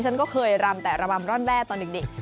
ฉันก็เคยรำแต่ระบำร่อนแร่ตอนเด็ก